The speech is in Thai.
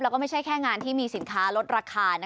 แล้วก็ไม่ใช่แค่งานที่มีสินค้าลดราคา